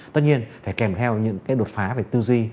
tất nhiên phải kèm theo những cái đột phá về tư duy